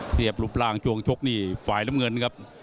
เสียบรูปร่างจวงชกนี่ฝ่ายลำเงินครับ